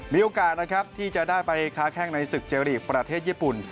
มีโอกาสนะครับที่จะได้ไปค้าแข้งในศึกเจรีย์ประเทศญี่ปุ่น